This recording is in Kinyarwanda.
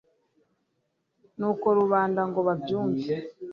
nuko rubanda ngo babyumve